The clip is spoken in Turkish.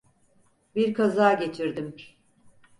Bir kaza geçirdim.